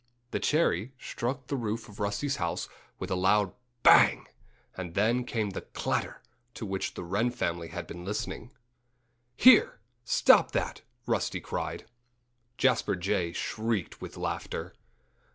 The cherry struck the roof of Rusty's house with a loud bang! And then came the same clatter, to which the Wren family had been listening. "Here! Stop that!" Rusty cried. Jasper Jay shrieked with laughter.